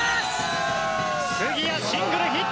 杉谷シングルヒット！